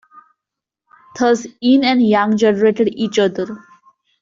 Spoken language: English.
Thus yin and yang generated each other.